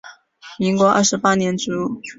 民国二十八年卒。